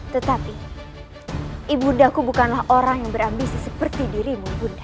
tetapi ibu daku bukanlah orang yang berambisi seperti dirimu bunda